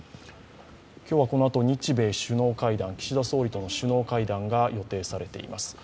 今日はこのあと日米首脳会談、岸田総理との首脳会談が予定されとています。